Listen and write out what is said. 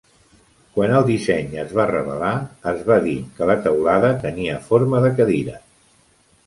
Quan el disseny es va revelar, es va dir que la teulada tenia forma de cadira.